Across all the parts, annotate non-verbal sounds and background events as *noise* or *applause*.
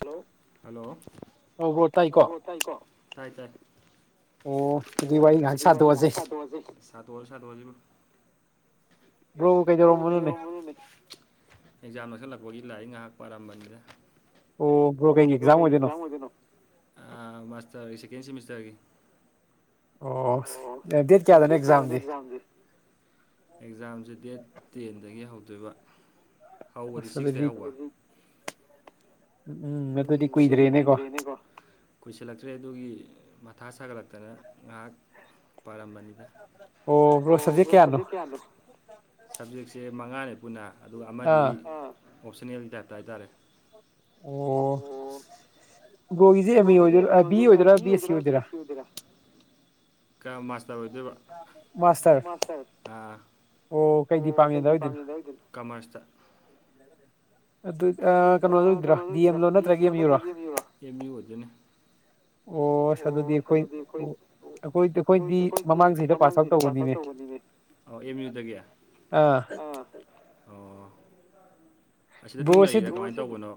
Hello hello ꯑꯣ ꯍꯣ ꯇꯥꯏꯀꯣ ꯍꯥꯏꯥꯏ ꯇꯥꯏ ꯑꯣ ꯑꯣ ꯑꯗꯨ ꯋꯥꯔꯤ ꯁꯥꯇ ꯋꯥꯁꯤꯦ ꯁꯥꯇ ꯋꯥꯦ ꯁꯥ ꯋꯥꯁꯤꯦ ꯑꯦꯛꯖꯥꯝ ꯅꯣꯁꯤꯜꯂꯛꯄꯒꯤ ꯂꯥꯛꯏ ꯉꯥꯏꯍꯥꯛ ꯄ ꯑꯔꯝꯕꯅꯤꯅ ꯑꯣꯛꯥꯝ ꯑꯣꯏꯗꯅꯣ ꯃꯥꯁꯇꯔꯒꯤ ꯁꯦꯀꯦꯟꯦꯃꯤꯁꯇꯔꯒꯤ ꯑꯣ ꯗꯦꯠ ꯀꯌꯥꯗꯅ ꯑꯦꯛꯖꯥꯝꯗꯤ ꯑꯦꯛꯖꯥꯝꯁꯦ ꯗꯦꯠ ꯇꯦꯟꯗꯒꯤ ꯍꯧꯗꯣꯏꯕ ꯑꯁ ꯑꯗꯨꯗꯤ ꯎ ꯎꯝ ꯑꯗꯨꯗꯤ ꯀꯨꯏꯗ꯭ꯔꯦꯅꯦꯀꯣ ꯀꯨꯁꯤꯜꯂꯛꯇ꯭ꯔꯦ ꯑꯗꯨꯒꯤ ꯃꯊꯥ ꯁꯥꯒꯠꯂꯛꯇꯅ ꯉꯥꯏꯍꯥꯛ ꯄꯥꯔꯝꯕꯅꯤꯅ ꯑꯣꯣ ꯁꯕꯖꯦꯛꯁꯦ ꯃꯉꯥꯅꯦ ꯄꯨꯟꯅ ꯑꯗꯨꯒ ꯑꯃꯗꯤ ꯑꯣꯞꯁꯟꯅꯜꯒꯤ ꯇꯥꯏꯞꯇ ꯍꯥꯏꯇꯥꯔꯦ ꯑꯣ ꯕꯣꯒꯤꯁꯦ ꯑꯦꯝ ꯏ ꯑꯣꯏꯗꯣꯏꯔꯥ ꯕꯤ ꯑꯣꯏꯗꯣꯏꯔꯥ ꯕꯤ ꯑꯦꯁ ꯁꯤ ꯑꯣꯏꯗꯣꯏꯔꯥ ꯀ ꯃꯥꯁ ꯑꯣꯏꯗ ꯑꯣ ꯀꯩꯗꯤ ꯄꯥꯝꯉꯕ ꯍꯥꯏꯗꯣ ꯀꯃꯔꯁꯇ ꯍ ꯑꯗꯨ ꯀꯩꯅꯣꯗ ꯑꯣꯏꯗꯔꯥ ꯗꯤ ꯑꯦꯝꯂꯣ ꯅꯠꯇ꯭ꯔꯒ ꯑꯦꯝ ꯌꯨꯔꯣ ꯑꯣꯁ ꯑꯗꯨꯗꯤ ꯑꯩꯈꯣꯏ ꯑꯩꯈꯣꯏ ꯑꯩꯈꯣꯏꯗꯤ ꯃꯃꯥꯡꯁꯤꯗ ꯄꯥꯁ ꯑꯥꯎꯠ ꯇꯧꯧꯕꯅꯤꯅꯦ ꯑꯥ ꯑꯁꯤꯗ ꯑꯗꯨꯝ ꯂꯩꯔ ꯀꯃꯥꯏꯅ ꯇꯧꯕꯅꯣ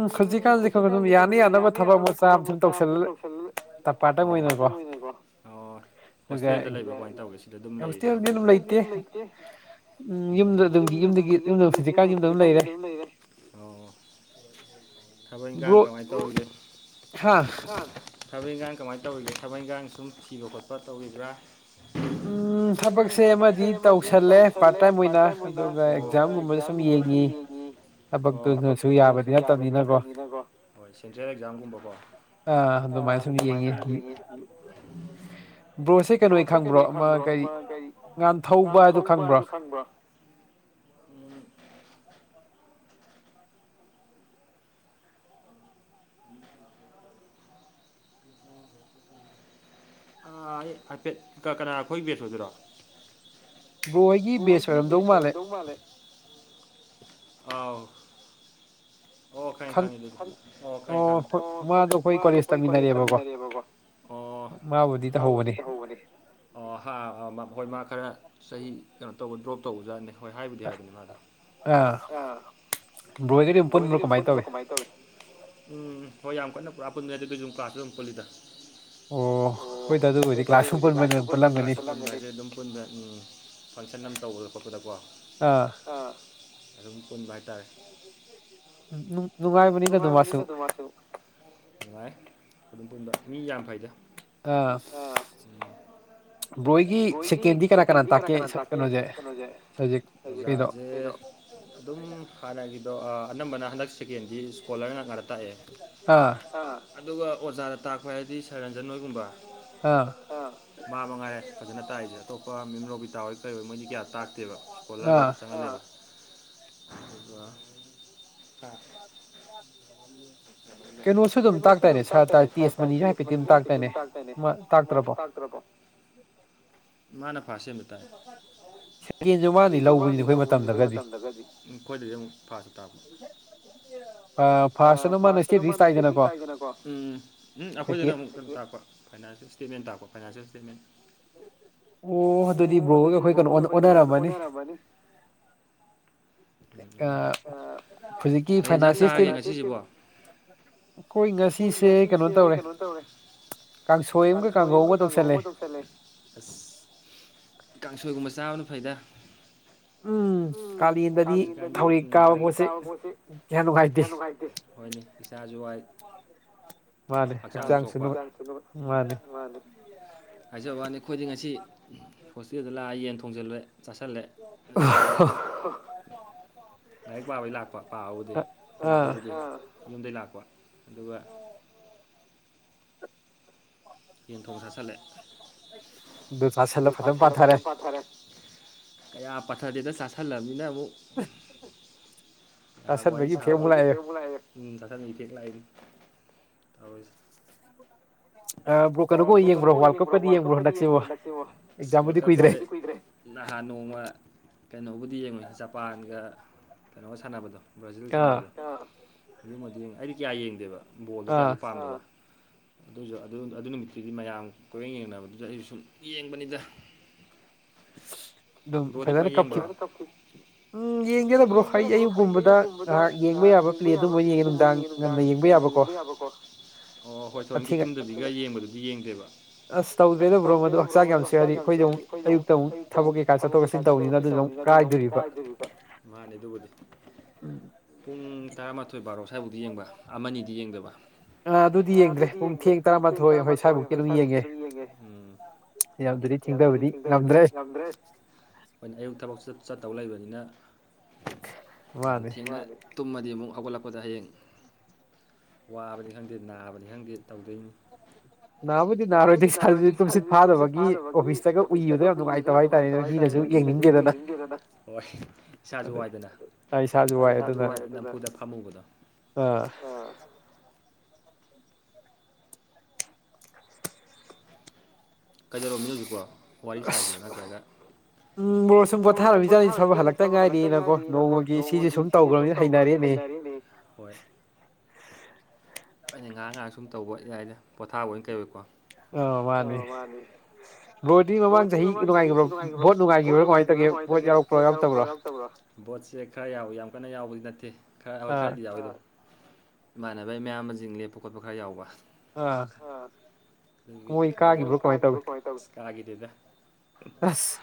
ꯎꯝ ꯍꯧꯖꯤꯛꯀꯥꯟꯁ ꯑꯗꯨꯝ ꯌꯥꯅꯤ ꯌꯥꯅꯕ ꯊꯕꯛ ꯃꯆꯥ ꯑꯃꯇꯨꯝ ꯇꯧꯁꯜꯂ ꯑꯣ ꯍꯣꯁꯇꯦꯜꯗ ꯂꯩꯕ꯭ꯔꯥ ꯀꯃꯥꯏꯅ ꯇꯧꯒꯦ ꯁꯤꯗ ꯑꯗꯨꯝ ꯂꯩꯕ꯭ꯔꯥ ꯀꯃꯥꯏ ꯇꯧꯒꯦ ꯍꯣꯁꯇꯦꯜꯗ ꯑꯗꯨꯝ ꯂꯩꯇꯦ ꯎꯝ ꯌꯨꯝꯗꯨꯝ ꯌꯨꯝꯗꯒꯤ ꯎꯝ ꯍꯧꯖꯤꯡꯗꯤ ꯑꯗꯨꯝ ꯂꯩꯔ‌ꯦ ꯑꯣ ꯊꯕꯛ ꯏꯪꯈꯥꯡ ꯀꯃꯥꯏꯅ ꯇꯧꯒꯦ ꯍꯥ ꯊꯕꯛ ꯏꯟꯈꯥꯡ ꯀꯃꯥꯏꯅ ꯇꯧꯔꯤꯒꯦ ꯊꯕꯛ ꯏꯟꯈꯥꯡ ꯁꯨꯝ ꯊꯤꯕ ꯈꯣꯠꯄ ꯇꯧꯕ꯭ꯔꯥ ꯎꯝ ꯊꯕꯛꯁꯦ ꯑꯃꯗꯤ ꯇꯧꯁꯜꯂꯦ ꯄꯥꯔꯠ ꯇꯥꯏꯝ ꯑꯣꯏꯅ ꯑꯗꯨꯒ ꯨꯝꯃ ꯀ ꯃꯤ ꯌꯦꯌꯦꯒꯤ ꯑꯣ ꯊꯕꯛꯁꯨ ꯌꯥꯕꯗꯤ ꯅꯠꯇꯕꯅꯤꯅꯀꯣ ꯍ ꯁꯦꯟꯇ꯭ꯔꯦꯜ ꯑꯦꯛꯖꯥꯝꯒꯨꯝꯕ ꯀꯣ ꯑ ꯑꯗꯨꯃꯥꯏꯅ ꯁꯨꯝ ꯌꯦꯡꯉꯤ ꯕ꯭ꯔꯣꯁꯦ ꯀꯩꯅꯣ ꯈꯪꯕ꯭ꯔꯣ ꯑꯃ ꯀꯔꯤ ꯉꯥꯟ ꯊꯧꯕ ꯍꯥꯏꯗꯣ ꯈꯪꯕ꯭ꯔꯣ ꯎꯝ ꯍꯥꯏꯐꯦꯠ ꯀꯅꯥ ꯑꯩꯈꯣꯏ ꯕꯦꯁ ꯑꯣꯏꯗꯣꯏꯔꯣ ꯚꯔꯣ ꯍꯣꯏꯒꯤ ꯕꯦꯁꯔꯝꯗꯧ ꯃꯥꯜꯂꯦ ꯑꯥꯎ ꯑꯣ ꯈ ꯈꯪꯉ ꯑꯣ ꯈ ꯈꯪ ꯑꯣ ꯃꯥꯗꯣ ꯑꯩꯈꯣꯏ ꯀꯔꯤ ꯇꯥꯃꯤꯟꯅꯔꯦꯕꯀꯣ ꯑꯣ ꯃꯥꯕꯨꯗꯤ ꯇꯧꯍꯧꯕꯅꯤ ꯍꯣꯏ ꯃꯥ ꯈꯔ ꯆꯍꯤ ꯀꯩꯅꯣ ꯇꯧꯕ ꯗ꯭ꯔꯣꯞ ꯇꯧꯕꯖꯥꯠꯅꯦ ꯍꯣꯏ ꯍꯥꯏꯕꯗꯤ ꯍꯥꯏꯕꯅꯤ ꯃꯥꯗ ꯑꯥ ꯚꯔꯣꯏꯒꯤꯗꯤꯝꯛ ꯄꯨꯟꯕ꯭ꯔꯣ ꯀꯃꯥꯏꯅ ꯇꯧꯏꯤ ꯎꯝ ꯍꯣꯏ ꯌꯥꯝ ꯀꯟꯅ ꯄꯨꯔꯥ ꯄꯨꯟꯕꯏ ꯑꯗꯨ ꯀꯝ ꯀ꯭ꯂꯥꯁꯇ ꯑꯗꯨꯝ ꯄꯨꯜꯂꯤꯗ ꯑꯣ ꯍꯣꯏ ꯗ ꯑꯗꯨ ꯀ꯭ꯂꯥꯁ *inaudible* ꯄꯨꯨꯟꯗ ꯐꯪꯁꯟ ꯑꯃ ꯇꯧꯕꯗ ꯈꯣꯠꯄꯗꯀꯣ ꯑꯥ ꯑꯥ ꯑꯗꯨꯝ ꯄꯨꯟꯕ ꯍꯥꯏꯇꯥꯔꯦ ꯅꯨꯡꯉꯥꯏꯕꯅꯤꯗ ꯃꯥꯁꯨ ꯑꯗꯨꯝ ꯅꯨꯡꯉꯥꯏ ꯑꯗꯨꯝ ꯄꯨꯟꯕ ꯃꯤ ꯌꯥꯝ ꯐꯩꯗ ꯑꯥ ꯕꯣꯏꯒꯤ ꯁꯦꯀꯦꯟꯗꯤ ꯀꯅꯥ ꯀꯅꯥ ꯇꯥꯛꯀꯦ ꯀꯩꯅꯣꯁꯦ ꯍꯧꯖꯤꯛ ꯀꯩꯗꯣ ꯑꯗꯨꯝ ꯍꯥꯟꯅꯒꯤꯗꯣ ꯑꯅꯝꯕꯅ ꯍꯟꯗꯛꯁ ꯁꯦꯀꯦꯟ ꯁꯀꯣꯂꯔ ꯉꯔ ꯇꯥꯛꯑꯦ ꯑꯗꯨꯒ ꯑꯣꯖꯥꯅ ꯇꯥꯛꯄ ꯍꯥꯏꯔꯗꯤ ꯁꯔꯟꯖꯟ ꯑꯣꯏꯒꯨꯝꯕ ꯃꯥ ꯃꯉꯥꯏꯔꯦ ꯐꯖꯅ ꯇꯥꯛꯏꯁꯦ ꯑꯇꯣꯞꯄ ꯃꯤꯝ ꯔꯣꯕꯤꯇꯥ ꯍꯣꯏ ꯀꯔꯤ ꯍꯣꯏ ꯃꯣꯏꯗꯤ ꯀꯌꯥ ꯇꯥꯛꯇꯦꯕ ꯏꯁꯀꯣꯂꯔꯣꯏ ꯆꯪꯉꯜꯅꯤꯕ ꯑꯗꯨꯒ ꯂ *unintelligible* ꯩꯀꯩꯅꯣꯁꯨ ꯑꯗꯨꯝ ꯇꯥꯛꯇꯅꯦ ꯁꯋꯥ ꯇꯥꯏ ꯄ ꯃꯅꯤ ꯌꯥ ꯍꯥꯏꯦ ꯇ ꯇꯥꯛꯇꯅꯦ ꯍ ꯣꯏ ꯇꯛꯇꯔꯕ ꯣ ꯎꯝ ꯃꯥꯅ ꯐꯥꯔ ꯁꯦꯝꯗ ꯇꯥꯛꯑ ꯀꯦꯟꯁꯨ ꯃꯥꯅꯗꯤ ꯂꯧꯕꯅꯤꯅꯦ ꯑꯩꯈꯣꯏ ꯃꯇꯝꯗꯒꯗꯤ ꯈꯣꯏꯗꯗꯤ ꯑꯃꯨꯛ ꯐꯥꯁꯨ ꯇꯥꯕ ꯑ ꯐꯔꯇꯅ ꯃꯥ ꯁꯤꯗꯤ ꯀꯥꯏꯗꯅꯀꯣ ꯎꯝ ꯑꯩꯈꯣꯏꯗꯅ ꯇꯥꯛꯄ ꯐꯥꯏꯅꯥꯟꯁꯤꯌꯦꯜ ꯏꯁꯇꯦꯠꯃꯦꯟ ꯇꯥꯛꯄ ꯐꯥꯏꯅꯥꯟꯁꯤꯌꯦꯜ ꯏꯁꯇꯦꯠꯃꯦꯟ ꯑꯣ ꯑꯗꯨꯗꯤ ꯕꯣ ꯑꯩꯈꯣꯏ ꯀꯩꯅꯣꯉꯗ ꯑꯅꯔꯝꯕꯅꯤ ꯎꯝ ꯀꯔꯤ ꯌꯦꯟꯁꯥꯡ ꯆꯥꯒꯦ ꯉꯁꯤꯁꯤꯕꯣ ꯑꯩꯉꯣꯏ ꯉꯁꯤꯁꯦ ꯀꯩꯅꯣ ꯇꯧꯔꯦ ꯀꯪꯁꯣꯏꯝꯒ ꯑꯃꯥꯒ ꯀꯒꯧꯕꯨ ꯇ ꯐꯦ ꯂꯩ ꯑꯁ ꯀꯥꯡꯁꯣꯏꯒꯨꯝꯕ ꯆꯥꯕꯅ ꯐꯩꯗ ꯎꯝ ꯀꯥꯂꯦꯟꯗꯗꯤ ꯊꯧꯔꯦꯛ ꯀꯥꯕ ꯄꯣꯠꯁꯦ ꯀꯌꯥ ꯅꯨꯡꯉꯥꯏꯇꯦ ꯍꯣꯏꯅꯦ ꯏꯁꯥꯁꯨ ꯋꯥꯏ ꯍꯛꯆꯥꯡ ꯁꯣꯛꯄ ꯍꯛꯆꯥꯡ ꯃꯥꯅꯤ ꯍꯥꯏꯖ ꯕꯥꯅꯤ ꯑꯩꯈꯣꯏꯗꯤ ꯉꯁꯤ ꯍꯣꯁꯇꯦꯜꯗ ꯂꯥꯛꯑ ꯌꯦꯟ ꯊꯣꯡꯖꯤꯜꯂꯨꯔꯦ ꯆꯥꯁꯤꯜꯂꯦ ꯏꯁꯥꯗꯣ ꯂꯥꯏꯔꯤꯛ ꯄꯥꯕꯩ ꯂꯥꯛꯄ ꯄꯥꯕꯕꯨꯗꯤ ꯂꯥꯛꯄꯕꯨꯗꯤ ꯌꯨꯝꯗꯩ ꯂꯥꯛꯄ ꯑꯗꯨꯒ ꯌꯦꯟꯊꯧꯣꯡꯁꯥꯁꯂꯦ ꯄꯥꯁ ꯁꯂꯦ ꯈꯖꯪ ꯄꯥꯟꯊꯔꯦ ꯀꯌꯥ ꯄꯠꯊꯗꯅ ꯆꯥꯥꯁꯜꯂꯕꯅꯤꯅ ꯑꯃꯨꯛ ꯑꯣꯏ ꯋꯥ ꯏꯐꯦꯛ *inaudible* ꯩꯅ ꯌꯦꯡꯕ꯭ꯔꯣ ꯋꯥꯀ ꯌꯦꯡꯕꯣ꯭ꯔꯦ꯫ ꯅꯍꯥꯟ ꯅꯣꯡꯃ ꯀꯩꯅꯣꯕꯨꯗꯤ ꯌꯦꯡꯉꯣꯏ ꯖꯄꯥꯟꯒ ꯀꯩꯅꯣꯒ ꯁꯥꯟꯅꯕꯗꯣ ꯕ꯭ꯔꯥꯖꯤꯜꯒꯤ ꯁꯥꯟꯅꯕꯗꯣ ꯑꯗꯨꯃꯗꯤ ꯌꯦꯡꯉ ꯑꯩꯗꯤ ꯀꯌꯥ ꯌꯦꯡꯗꯦꯕ ꯕꯣꯜꯗꯣ ꯀꯌꯥꯁꯨ ꯄꯥꯝꯃꯦꯕ ꯑꯗꯨꯏꯁꯨ ꯑꯗꯨ ꯑꯗꯨ ꯅꯨꯃꯤꯠꯇ ꯑꯗꯨꯗꯤ ꯃꯌꯥꯝ ꯀꯣꯏꯔꯦꯡ ꯌꯦꯡꯅꯕꯗꯨꯗ ꯑꯩꯁꯨ ꯁꯨꯝ ꯌꯦꯡꯕꯅꯤꯗ *unintelligible* ꯎꯝ ꯌꯦꯡꯖꯅꯕ꯭ꯔꯣ ꯑꯩ ꯑꯌꯨꯛꯒꯨꯝꯕꯗ ꯌꯦꯡꯕ ꯌꯥꯕ ꯄ꯭ꯂꯦꯗꯨꯨꯝ ꯅꯨꯡꯗꯥꯡ ꯉꯟꯅ ꯌꯦꯡꯕ ꯌꯥꯕ ꯑꯣ ꯍꯣꯏ ꯊꯣꯔꯦꯟꯒꯤ ꯇꯨꯝꯗꯕꯤꯒ ꯌꯦꯡꯕꯗꯨꯗꯤ ꯌꯦꯡꯗꯦꯕ ꯑꯁ ꯇꯧꯗꯦꯗꯕ꯭ꯔꯣ ꯃꯗꯨ ꯍꯛꯆ ꯌꯥꯝ ꯆꯔꯤ ꯑꯩꯈꯣꯏꯗ ꯑꯃꯨꯛ ꯑꯩꯌꯨꯛ ꯇꯧꯏ ꯊꯕꯛ ꯀꯩꯀꯥ ꯆꯠꯊꯣꯛ ꯆꯠꯁꯤꯟ ꯇꯧꯕꯅꯤꯅ ꯑꯗꯨ ꯑꯃ ꯀꯥꯏꯗꯕꯤꯀꯣ ꯃꯥꯅꯦ ꯑꯗꯨꯕꯨꯗꯤ ꯄꯨꯡ ꯇꯔꯥꯃꯥꯊꯣꯏ ꯕꯥꯔꯣ ꯁ꯭ꯋꯥꯏꯐꯥꯎꯗꯤ ꯌꯦꯡꯕ ꯑꯃꯅꯤ ꯑꯗꯤ ꯌꯦꯡꯗꯕ ꯑ ꯑꯗꯨꯗꯤ ꯌꯦꯡꯗ꯭ꯔꯦ ꯄꯨꯡ ꯊꯦꯡ ꯇꯔꯥꯃꯥꯊꯣꯏ ꯍꯣꯏ ꯁ꯭ꯋꯥꯏꯐꯧꯀꯤ ꯑꯗꯨꯝ ꯌꯦꯡꯉꯦ ꯎꯝ ꯌꯥꯗꯔꯤ ꯆꯟꯗꯕꯗꯤ ꯌꯥꯎꯗ꯭ꯔꯦ꯫ ꯑꯩꯈꯣꯏꯅ ꯑꯌꯨꯛ ꯊꯕꯛ ꯆꯠꯇꯧ ꯂꯩꯕꯅꯤꯅ ꯌꯥꯝ ꯊꯦꯡꯅ ꯇꯨꯝꯃꯗꯤ ꯑꯃꯨꯛ ꯍꯧꯒꯠꯂꯛꯄꯗ ꯍꯌꯦꯡ ꯋꯥꯕꯅꯤ ꯈꯪꯗꯦ ꯅꯥꯕꯅꯤ ꯈꯪꯗꯦ ꯇꯧꯗꯣꯏꯅꯤ꯫ *inaudible* ꯅꯥꯕꯨꯗꯤ ꯅꯥꯔꯣꯏ ꯅꯥꯗꯤ ꯇꯨꯝꯁꯤꯠ ꯐꯥꯗꯕꯒꯤ ꯑꯣꯐꯤꯁꯇꯒ ꯎꯏꯕꯗ ꯌꯥꯝ ꯅꯨꯡꯉꯥꯏꯇꯕ ꯍꯥꯏꯇꯥꯔꯦ ꯅꯣꯏ ꯇꯔꯦꯅꯦꯗꯁ ꯌꯦꯡꯅꯤꯡꯟꯗꯦ ꯍꯟꯗꯛ ꯍꯣꯏ ꯏꯁꯥꯁꯨ ꯋꯥꯏꯗꯅ ꯅꯈꯣꯏꯗ ꯐꯝꯃꯨꯕꯗꯣ ꯑꯥ ꯀꯩꯗꯧꯔꯣꯃꯤꯅ ꯍꯧꯖꯤꯛꯀꯣ ꯋꯥꯔꯤ ꯁꯥꯥꯏꯁꯤꯔꯣ ꯅꯠꯇ꯭ꯔꯒ ꯎꯝ ꯃ ꯁꯨꯝ ꯄꯣꯊꯥꯔꯨꯕꯤꯗ ꯁꯔꯨ ꯍꯜꯂꯛꯇ ꯉꯥꯏꯔꯤꯅꯀꯣ ꯅꯣꯡꯃꯒꯤ ꯁꯤꯁꯦ ꯁꯨꯝ ꯇꯧꯈ꯭ꯔꯕꯗꯤ ꯍꯩꯅꯔꯤꯅꯦ ꯍꯣꯏ ꯑꯩꯅ ꯉꯥꯏꯍ ꯉꯥꯏꯍꯥꯛ ꯁꯨꯝ ꯇꯧꯕ ꯏꯗꯥꯥꯏꯗ ꯄꯣꯊꯥꯕ ꯑꯣꯏꯅ ꯀꯩꯏꯀꯣ ꯑ ꯃꯥꯅꯤ ꯕ꯭ꯔꯣꯗꯤ ꯃꯃꯥꯡ ꯆꯍꯤ ꯅꯨꯡꯉꯥꯏꯈꯤꯕ꯭ꯔꯣ ꯚꯣꯠ ꯅꯨꯡꯉꯥꯏꯈꯤꯕ꯭ꯔꯥ ꯀꯃꯥꯏꯅ ꯇꯧꯒꯦ ꯕꯣꯠ ꯌꯥꯎꯔꯛꯄ꯭ꯔꯣ ꯌꯥꯎꯛꯇꯕ꯭ꯔꯣ? ꯕꯣꯠꯁꯦ ꯈꯔ ꯌꯥꯎꯋꯤ ꯌꯥꯝ ꯀꯟꯅ ꯌꯥꯎꯕꯗꯤ ꯅꯠꯇꯦ ꯈꯔ ꯍꯣꯏ ꯈꯔꯗꯤ ꯌꯥꯎꯋꯤ꯫ ꯏꯃꯥꯟꯅꯕꯒꯤ ꯃꯌꯥꯝ ꯑꯃꯁꯤꯡ ꯂꯦꯞꯄ ꯈꯣꯠꯄ ꯈꯔ ꯌꯥꯎꯕ ꯄꯣꯟ ꯀꯈꯤꯔꯥ ꯀꯩꯅꯣꯏ ꯑꯁ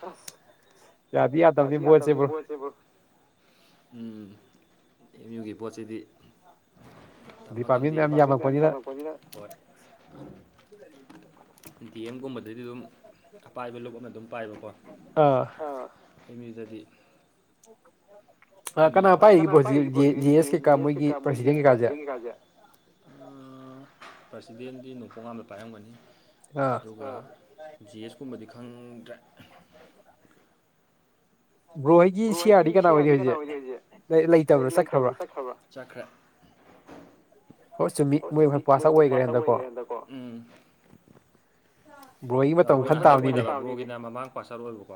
ꯌꯥꯗꯤ ꯍꯥ ꯇꯕꯗꯤ ꯐꯣꯁꯦꯕꯨ ꯑꯦꯝ ꯌꯨꯒꯤ ꯄꯣꯠ ꯁꯤꯗꯤ꯫ ꯉꯗꯦ ꯄꯥꯕꯤ ꯃꯌꯥꯝ ꯌꯥꯝꯃꯛꯄꯁꯤꯅ ꯍꯣꯏ ꯗꯤ ꯑꯦꯝꯒꯨꯝꯕꯗꯩꯗꯤ ꯑꯗꯨꯝ ꯑꯄꯥꯏꯕ ꯂꯨꯞꯅ ꯑꯗꯨꯝ ꯄꯥꯏꯕꯀꯣ ꯑꯥ ꯑꯝ ꯌꯨꯗꯥꯗꯤ ꯀꯅꯥ ꯄꯥꯏꯔꯤꯦ ꯄ ꯖꯤ ꯑꯦꯁ ꯀꯩꯀꯥ ꯃꯣꯏꯒꯤ ꯄ꯭ꯔꯣꯁꯤꯗꯦꯟ ꯀꯩꯀꯥꯁꯦ꯫ ꯀꯩ ꯀꯥꯁꯦ ꯫ ꯄ꯭ꯔꯁꯤꯗꯦꯟꯗꯤ ꯅꯣꯡꯄꯣꯛ ꯑꯃꯥꯝꯗ ꯄꯥꯏꯔꯝꯒꯅꯤ꯫ ꯑꯥꯥ ꯑꯗꯨꯒ ꯖꯤ ꯑꯦꯁ ꯀꯨꯝꯕꯗꯤ ꯈꯪꯗ꯭ꯔꯦ꯫ ꯕ꯭ꯔꯣ ꯑꯩꯒꯤ ꯁꯤꯌꯥꯔꯗꯤ ꯀꯅꯥ ꯑꯣꯏꯗꯤ ꯍꯧꯖꯤꯛ ꯂꯩꯇꯕ꯭ꯔꯥ ꯆꯠꯈ꯭ꯔꯕ꯭ꯔꯥꯈ꯭ꯔ ꯍꯣꯏ ꯆꯨꯝꯃꯤ ꯃꯣꯏ ꯃꯣꯏ ꯄꯁ ꯑꯣꯏꯈ꯭ꯔꯦ ꯍꯟꯗꯀꯣ ꯑꯕ꯭ꯔꯣꯅ ꯍꯟꯗꯛ ꯑꯣꯏꯗꯕ ꯑꯕ꯭ꯔꯣꯒꯤꯅ ꯃꯃꯥꯡ ꯄꯥ ꯆꯠ ꯑꯣꯏꯕꯀꯣ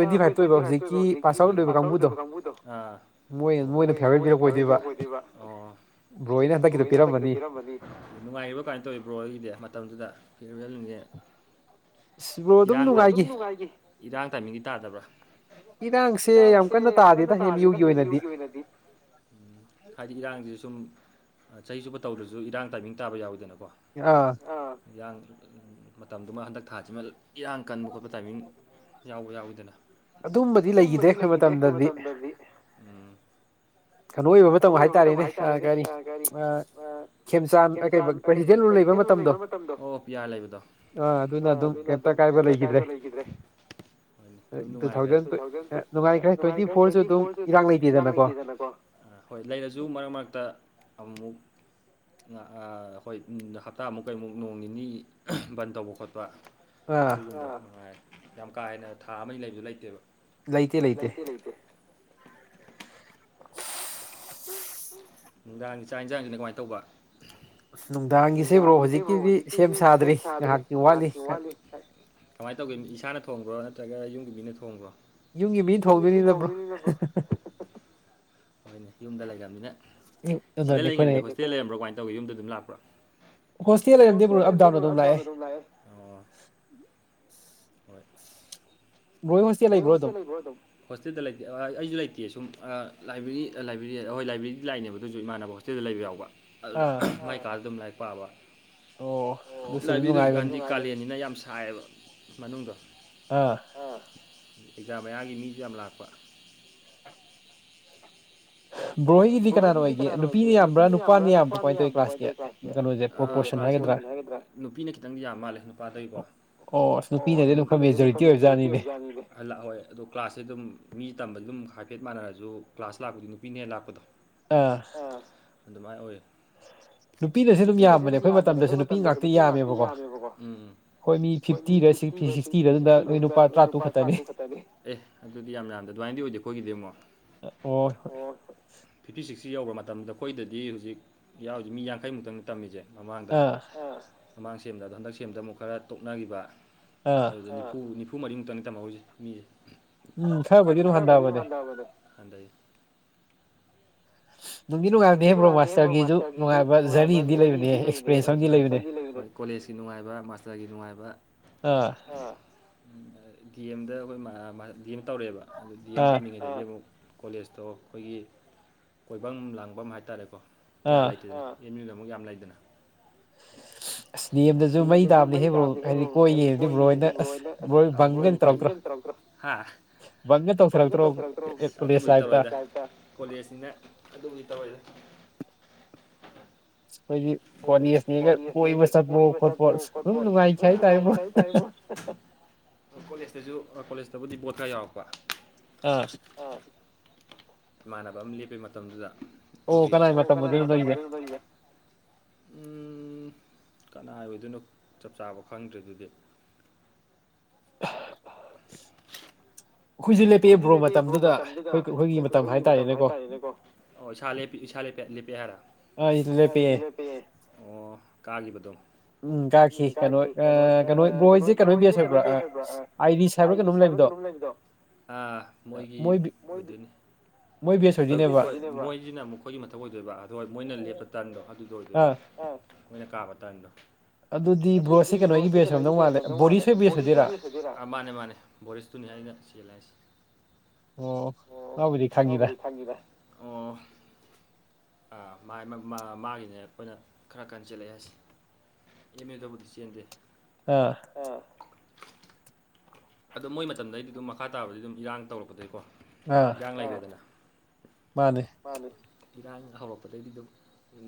ꯑ ꯑꯩꯈꯣꯏ ꯇ꯭ꯋꯦꯟꯇꯤ ꯐꯥꯏꯚꯇ ꯑꯣꯏꯕ ꯍꯧꯖꯤꯛꯀꯤ ꯄꯥꯁ ꯑꯥꯎꯠ ꯑꯣꯏꯕ ꯀꯥꯡꯕꯨꯗꯣ ꯣꯏ ꯃꯣꯏꯅ ꯐꯦꯕ ꯄꯤꯔꯛꯄꯣꯏꯗꯣꯏꯕ ꯔꯣꯏꯅ ꯍꯟꯗꯛꯀꯤꯗꯣ ꯄꯤꯔꯃꯅꯤ ꯅꯨꯡꯉꯥꯏꯔꯤꯕ꯭ꯔꯣ ꯀꯃꯥꯏꯅ ꯇꯧꯔꯤꯕ꯭ꯔꯣ ꯑꯩꯒꯤꯗꯤ ꯃꯇꯝꯗꯨꯗ ꯀꯤꯔꯍꯅꯤꯡꯉꯦ *unintelligible* *unintelligible* *unintelligible* ꯎꯝ ꯍꯥꯏꯗꯤ ꯏꯔꯥꯡꯁꯦ ꯁꯨꯝ ꯆꯍꯤ ꯆꯨꯞꯄ ꯇꯧꯗ꯭ꯔꯁꯨ ꯏꯔꯥꯡ ꯇꯥꯏꯃꯤꯡ ꯇꯥꯕ ꯌꯥꯎꯋꯗꯅꯀꯣ ꯑ ꯏꯔꯥꯡ ꯃꯇꯝꯗꯨꯃ ꯍꯟꯗꯛ ꯊꯥꯁꯤꯃ ꯏꯔꯥꯡ ꯀꯟꯕ ꯈꯣꯠꯄ ꯇꯥꯏꯃꯤꯡ ꯌꯥꯎꯕ ꯌꯥꯎꯋꯤꯗꯅ ꯑꯗꯨꯝꯕꯗꯤ ꯂꯩꯈꯤꯗꯦ ꯑꯩꯈꯣꯏ ꯃꯇꯝꯗꯗꯤ ꯎꯝ ꯀꯩꯅꯣ ꯑꯣꯏꯕ ꯃꯇꯝ ꯍꯥꯏꯇꯥꯔꯦꯅꯦ ꯀꯥꯔꯤ ꯂꯩꯕ ꯃꯇꯝꯗꯣ ꯄꯤ ꯑꯔ ꯂꯩꯕꯗꯣ ꯑ ꯑꯗꯨꯅ ꯑꯗꯨꯝ ꯀꯩꯝꯇ ꯀꯥꯏꯕ ꯂꯩꯒꯤꯗ꯭ꯔꯦ *unintelligible* ꯝꯅꯨꯡꯉꯥꯏꯈ꯭ꯔꯦ ꯇꯨ ꯊꯥꯎꯖꯟ ꯅꯨꯡꯉꯥꯏ ꯇ꯭ꯋꯦꯟꯇꯤ ꯐꯣꯔꯁꯨ ꯑꯗꯨꯝ ꯏꯔꯥꯡ ꯂꯩꯇꯦꯗꯅ ꯍꯣꯏ ꯂꯩꯔꯁꯨ ꯃꯔꯛ ꯃꯔꯛꯇ ꯑꯃꯨꯛ ꯑꯩꯈꯣꯏ ꯍꯞꯇꯥꯃꯨꯛ ꯀꯩꯃꯨꯛ ꯅꯣꯡ ꯅꯤꯅꯤ ꯕꯟ ꯇꯧꯕ ꯈꯣꯠꯄ ꯑꯗꯨꯒꯅꯨꯡ ꯌꯥꯝ ꯀꯥ ꯍꯦꯟꯅ ꯊꯥ ꯑꯃꯅꯤ ꯂꯩꯕꯗꯨ ꯂꯩꯇꯦꯕ ꯂꯩꯇꯦ ꯂꯩꯇꯦ *unintelligible* ꯅꯨꯡꯗꯥꯡꯒꯤ ꯆꯥꯛ ꯏꯟꯁꯥꯡꯁꯤꯅ ꯀꯃꯥꯏꯅ ꯇꯧꯕ *unintelligible* ꯅꯨꯡꯗꯥꯡꯒꯤ ꯁꯦꯝꯕ꯭ꯔꯣ ꯍꯧꯖꯤꯛꯀꯤꯗꯤ ꯁꯦꯝ ꯁꯥꯗ꯭ꯔꯤ ꯉꯥꯏꯍꯥꯛꯀꯤ ꯋꯥꯠꯂꯤ ꯀꯃꯥꯏꯅ ꯇꯧꯒꯦ ꯏꯁꯥꯅ ꯊꯣꯡꯕ꯭ꯔꯣ ꯅꯠꯇ꯭ꯔꯒ ꯌꯨꯝꯒꯤ ꯃꯤꯅ ꯊꯣꯡꯕ꯭ꯔꯣ ꯌꯨꯝꯒꯤ ꯃꯤ ꯐꯧꯗꯣꯏꯅꯤꯅꯣ ꯍꯣꯏꯅꯦ ꯌꯨꯝꯗ ꯂꯩꯔꯅꯤꯅꯦ ꯎꯝ ꯁꯤ ꯂꯩꯔꯤꯗꯗꯤ ꯍꯣꯇꯦꯜ ꯂꯩꯔꯝꯕ꯭ꯔꯣ ꯀꯃꯅ ꯇꯧꯒ ꯌꯨꯝꯗ ꯑꯗꯨꯝꯥꯛꯄ꯭ꯔꯣ ꯀꯁꯤ ꯂꯩꯗꯥ ꯃꯗꯝ ꯂꯑ ꯍ ꯣꯏ ꯃꯁ ꯀꯦ ꯂꯩꯕꯗꯝ ꯍꯣꯁꯇꯦꯜꯗ ꯂꯩꯇꯦ ꯑꯩꯁꯨ ꯂꯩꯇꯦ ꯁꯨꯝꯥꯏꯕꯦꯔꯤ ꯂꯥꯏꯕ꯭ꯔꯦꯔꯤ ꯑꯩꯣꯏ ꯂꯥꯏꯕ꯭ꯔꯦꯔꯤꯗꯤ ꯂꯥꯛꯏꯅꯦꯕ ꯑꯗꯨꯁꯨ ꯏꯃꯥꯟꯅꯕ ꯍꯣꯇ ꯁꯤꯗ ꯂꯩꯕ ꯌꯥꯎꯕ ꯑꯗꯨꯗ ꯃꯥꯏ ꯀꯥꯗ ꯑꯗꯨꯝ ꯂꯥꯏꯔꯤꯛ ꯄꯥꯕ ꯂꯥꯏꯕꯤꯗꯨ ꯍꯧꯖꯤꯛꯀꯥꯟꯗꯤ ꯀꯥꯂꯦꯟꯅꯤꯅ ꯌꯥꯝ ꯁꯥꯏꯌꯦꯕ ꯃꯅꯨꯡꯗ ꯑꯥ ꯑꯦꯛꯖꯥꯝ ꯃꯌꯥꯝꯒꯤ ꯃꯤꯁꯨ ꯌꯥꯝ ꯂꯥꯛꯄ ꯍꯣꯏꯒꯤꯗꯤ ꯀꯅꯥꯅꯣ ꯑꯣꯏꯒꯦ ꯅꯨꯄꯤꯅ ꯌꯥꯝꯕ꯭ꯔꯥ ꯅꯨꯄꯥꯅ ꯌꯥꯝꯕ꯭ꯔꯥ ꯀꯥꯏꯅ ꯀꯩ ꯆꯥꯁꯦ *unintelligible* ꯅꯨꯄꯤꯅ ꯈꯤꯇꯪ ꯌꯥꯝ ꯃꯥꯜꯂꯦ ꯅꯨꯄꯥꯗꯕꯣ *unintelligible* ꯂꯥꯛꯑꯣꯏ ꯑꯗꯣ ꯀ꯭ꯂꯥꯁꯁꯦ ꯑꯗꯨꯝ ꯃꯤ ꯇꯝꯕꯗꯤ ꯑꯗꯨꯝ ꯍꯥꯏꯐꯦꯠ ꯃꯥꯟꯅꯔꯁꯨ ꯀ꯭ꯂꯥꯁ ꯂꯥꯛꯄꯗꯨ ꯕꯤꯅꯦꯂꯥꯄꯗꯣ ꯑꯥ ꯑꯗꯨꯃꯥꯏꯅ ꯑꯣꯏꯌꯦ *unintelligible* ꯅꯨꯄꯤꯅꯁꯨ ꯑꯗꯨꯝ ꯌꯥꯝꯕꯅꯦ ꯑꯩꯈꯣꯏ ꯃꯇꯝꯗꯁꯨ ꯅꯨꯄꯤ ꯉꯥꯛꯇ ꯌꯥꯝꯃꯦꯕꯀꯣ ꯑꯩꯈꯣꯏ ꯃꯤ ꯐꯤꯐꯇꯤꯒ ꯁꯤꯛꯇꯤ ꯁꯤꯛꯁꯇꯤꯒꯗꯨꯗ ꯑꯩꯈꯣꯏ ꯂꯨꯄꯥ ꯆꯔꯥꯇꯔꯨ ꯈꯛꯇꯅꯤ ꯑꯗꯨꯗꯤ ꯌꯥꯝ ꯌꯥꯝꯗ ꯑꯗꯨꯃꯥꯏꯅꯗꯤ ꯑꯣꯏꯗꯦ ꯑꯩꯈꯣꯏꯒꯤꯗꯤ ꯑꯃꯨꯛ ꯑꯣ ꯐꯤꯐꯇꯤ ꯁꯤꯛꯁꯁꯤ ꯌꯧꯕꯔꯣ ꯃꯇꯝꯗ ꯑꯩꯈꯣꯏꯗꯗꯤ ꯍꯧꯖꯤꯛ ꯌꯥꯎꯔꯤꯁ ꯃꯤ ꯌꯥꯡꯈꯩꯃꯨꯛꯇꯪ ꯇꯝꯃꯤꯁꯦ ꯃꯃꯥꯡꯗ ꯃꯃꯥꯡ ꯁꯦꯝꯗ ꯑꯣ ꯍꯟꯗꯛ ꯁꯦꯝꯗ ꯑꯃꯨꯛ ꯈꯔ ꯇꯣꯛꯅꯈꯤꯕ ꯑꯥ ꯅꯤꯐꯨ ꯅꯤꯐꯨ ꯃꯔꯤꯃꯨꯛꯇꯅꯤ ꯇꯝꯍꯧꯔꯤꯁꯦ ꯃꯤꯁꯦ ꯈꯔ꯭ꯕꯨꯗꯤ ꯍꯟꯊꯕꯥꯅꯤ ꯀꯟꯗꯩ ꯅꯨꯡꯗꯤ ꯅꯨꯡꯉꯥꯏꯗꯦ ꯃꯥꯁꯇꯔꯒꯤꯁꯨ ꯅꯨꯡꯉꯥꯏꯕ꯭ꯔ ꯂꯩꯕꯅꯦ ꯂꯩꯅꯦ ꯀꯣꯂꯦꯖꯀꯤ ꯅꯨꯡꯉꯥꯏꯕ ꯃꯥꯁꯇꯔꯒꯤ ꯅꯨꯡꯉꯥꯏꯕ ꯑꯥ ꯗꯤ ꯑꯦꯝꯗ ꯑꯩꯈꯣꯏ ꯗꯤ ꯑꯦꯝ ꯇꯧꯔꯛꯑꯦꯕ ꯑꯗꯨ ꯗꯤ ꯑꯦꯝ ꯇꯝꯃꯤꯉꯩꯗ ꯑꯃꯨꯛ ꯀꯣꯂꯦꯖꯇꯣ ꯑꯩꯈꯣꯏꯒꯤ ꯀꯣꯏꯐꯝ ꯂꯥꯡꯐꯝ ꯍꯥꯏꯇꯥꯔꯦꯀꯣ ꯀꯌꯥ ꯂꯩꯇꯦꯗꯅ ꯑꯦꯝ ꯌꯨꯗ ꯑꯃꯨꯛ ꯌꯥꯝ ꯂꯩꯗꯅ *unintelligible* ꯑꯁ ꯗꯦꯝꯗꯁꯨ ꯃꯩ ꯇꯥꯕꯅꯦ ꯍꯦ ꯕ꯭ꯔꯣ ꯍꯥꯏꯗꯤ ꯀꯣꯏꯅꯤꯗꯤ ꯕ꯭ꯔꯣꯍꯣꯏꯅ ꯑꯁ ꯕ꯭ꯔꯣꯍꯣꯏ ꯕꯪꯒꯅꯤ ꯇꯧꯔꯛꯇ꯭ꯔꯣ ꯍꯥ ꯕꯡꯀꯥ ꯇꯧꯊꯥꯔꯛꯇꯔꯣ ꯑꯁ ꯑꯗꯨꯕꯨꯗꯤ ꯇꯧꯔꯛꯏꯗ ꯀꯣꯂꯦꯖꯁꯤꯅ ꯑꯗꯨꯕꯨꯒꯤ ꯇꯧꯔꯛꯏꯗ ꯑꯩꯈꯣꯏꯒꯤ ꯀꯣꯂꯦꯖꯅꯤꯅ ꯀꯣꯏꯕꯥ ꯆꯠꯄꯥꯑꯣ ꯈꯣꯠꯄꯥꯑꯣ ꯅꯨꯉꯥꯏꯊꯔꯛꯏ ꯍꯥꯏꯇꯔꯦ ꯕꯔꯣ ꯀꯣꯂꯦꯖꯇꯁꯨ ꯀꯣꯂꯦꯖꯇꯕꯨꯗꯤ ꯕꯣꯠ ꯈꯔ ꯌꯥꯎꯔꯛꯄ ꯑꯥ ꯏꯃꯥꯟꯅꯕ ꯑꯃ ꯂꯦꯞꯄꯦ ꯃꯇꯝꯗꯨꯗ ꯑꯗꯨꯒꯤ ꯑꯣ ꯀꯅꯥꯏ ꯃꯇꯝ ꯑꯣꯏꯗꯣꯏꯅꯣ ꯅꯣꯏꯖꯦ ꯎ ꯀꯅꯥ ꯑꯣꯏꯗꯣꯏꯅꯣ ꯆꯞ ꯆꯥꯕ ꯈꯪꯗ꯭ꯔꯦ ꯑꯗꯨꯗꯤ *unintelligible* ꯑꯩꯈꯣꯏꯁꯨꯦ ꯂꯦꯞꯄꯤꯑꯕ꯭ꯔꯣ ꯃꯇꯝꯗꯨꯗ ꯑꯩꯈꯣꯏ ꯑꯩꯈꯣꯏꯒꯤ ꯃꯇꯝ ꯍꯥꯏꯇꯥꯔꯦꯅꯦꯀꯣ ꯑꯣ ꯏꯁꯥ ꯂꯄꯤ ꯏꯁꯥ ꯂꯦꯞꯄꯦ ꯍꯥꯏꯔ ꯑꯤ ꯑꯩꯁꯨ ꯔꯦꯞꯄꯥꯛꯌꯦ ꯑꯣ ꯀꯥꯒꯤꯕꯗꯣ ꯕꯔꯣ ꯁꯤ ꯀꯩꯅꯣ ꯒꯤ ꯕꯦꯁ ꯑꯣꯢꯕꯔꯣ ꯑꯩꯗꯤ ꯁꯥꯕꯔ ꯀꯩꯅꯣꯝ ꯂꯩꯔꯤꯗꯣ ꯃꯣꯏꯒꯤ ꯍꯣꯏ ꯃꯣꯏꯁꯤꯅ ꯑꯃꯨꯛ ꯃꯈꯣꯏꯒꯤ ꯃꯊꯧꯛ ꯑꯣꯏꯗꯣꯏꯕ ꯑꯗ ꯍꯣꯏ ꯃꯣꯏꯅ ꯂꯦꯞꯄ ꯇꯟꯗꯣ ꯑꯗꯨꯗꯣ ꯑꯣꯏꯗꯣꯏꯕ ꯃꯈꯣꯏꯅ ꯀꯥꯕ ꯇꯟꯗꯣ ꯑꯗꯨꯗꯤ ꯕꯣꯁꯦ ꯀꯩꯅꯣꯒꯤ ꯕꯦꯁ ꯑꯣꯏꯗꯧ ꯃꯥꯜꯂꯦ ꯕꯣꯔꯤꯁ ꯕꯦꯁ ꯃꯥꯅꯦ ꯃꯥꯅꯦ ꯕꯣꯔꯤꯁꯇꯨꯅꯤ ꯑꯩꯅꯥ ꯆꯦꯜꯂꯑꯁꯦ ꯑꯣ ꯃꯕꯨꯗꯤ ꯈꯪꯏꯗ ꯑꯣ ꯃꯥꯒꯤꯅꯦ ꯑꯩꯈꯣꯏꯅ ꯈꯔ ꯀꯟ ꯆꯦꯜꯂꯛꯑꯦ ꯍꯥꯏꯁꯦ *inaudible* ꯑꯥ ꯑꯗꯣ ꯃꯣꯏ ꯃꯇꯝꯗꯩꯗꯤ ꯑꯗꯨꯝ ꯃꯈꯥ ꯇꯥꯕꯗꯤ ꯑꯗꯨꯝ ꯏꯔꯥꯡ ꯇꯧꯔꯛꯄꯗꯩꯀꯣ ꯏꯔꯥꯡ ꯂꯩꯔꯗꯅ ꯃꯥꯅꯦ ꯏꯔꯥꯡ ꯍꯧꯔꯛꯄꯗꯒꯤꯗꯤ ꯑꯗꯨꯝ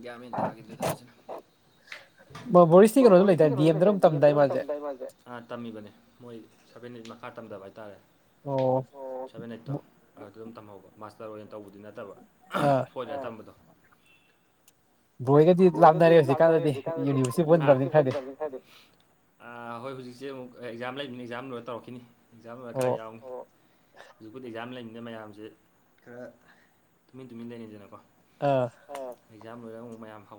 ꯒꯌ꯭ꯥꯟ ꯃꯦꯟ ꯇꯥꯈꯤꯗꯔ꯭ꯦꯗꯥ ꯐꯖꯅ ꯕꯣꯕꯣꯏꯁꯤ ꯀꯩꯅꯣꯗ ꯂꯩꯗꯥꯏ ꯗꯤꯑꯦꯝꯗꯔ ꯑꯃ ꯇꯝꯗꯥꯏ ꯃꯥꯁꯦ ꯑ ꯇꯝꯃꯤꯕꯅꯦ ꯃꯣꯏ ꯁꯕꯦꯟꯠ ꯑꯩꯠ ꯃꯈꯥ ꯇꯝꯗꯕ ꯍꯥꯏꯇꯥꯔꯦ ꯑꯣ ꯁꯚꯦꯟ ꯑꯩꯠꯇꯣ ꯑꯗ ꯑꯗꯨꯝ ꯇꯝꯍꯧꯕ ꯃꯥꯁꯇꯔ ꯑꯣꯏꯅ ꯇꯧꯕꯗꯤ ꯅꯠꯇꯕ ꯍꯣꯏ ꯑꯗꯥꯏꯅ ꯇꯝꯕꯗꯣ ꯕꯔꯣꯍꯣꯏꯒꯗꯤ ꯂꯥꯞꯅꯔꯦ ꯍꯧꯖꯤꯛꯀꯥꯟꯗꯗꯤ ꯅꯨꯃꯤꯠꯀꯤ ꯄꯨꯟꯗꯔ꯭ꯃꯤꯅꯥ ꯈꯔꯗꯤ ꯍꯣꯏ ꯍꯧꯖꯤꯛꯁꯦ ꯑꯃꯨꯛ ꯑꯦꯛꯖꯥꯝ ꯂꯩꯕꯅꯤ ꯑꯦꯛꯖꯥꯝ ꯂꯣꯏꯔ ꯇꯧꯔꯛꯈꯤꯅꯤ ꯑꯦꯛꯖꯥꯝ ꯂꯣꯏꯔ ꯈꯔ ꯌꯥꯎꯅꯤ ꯍꯧꯖꯤꯛꯄꯨꯗꯤ ꯑꯦꯛꯖꯥꯝ ꯂꯩꯅꯤꯅ ꯃꯌꯥꯝꯁꯦ ꯈꯔ ꯇꯨꯃꯤꯟ ꯇꯨꯃꯤꯟ ꯂꯩꯅꯤꯗꯅꯀꯣ ꯑꯥ ꯑ ꯑꯦꯛꯖꯥꯝ ꯂꯣꯏꯔꯥ ꯑꯃꯨꯛ ꯃꯌꯥꯝ ꯍꯧ